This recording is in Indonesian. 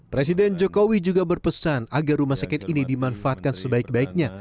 presiden jokowi juga berpesan agar rumah sakit ini dimanfaatkan sebaik baiknya